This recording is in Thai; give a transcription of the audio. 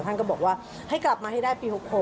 ท่านก็บอกว่าให้กลับมาให้ได้ปี๖๖